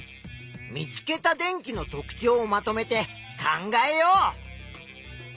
見つけた電気の特ちょうをまとめて考えよう。